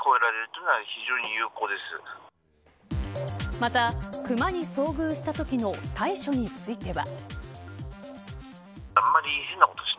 また、熊に遭遇したときの対処については。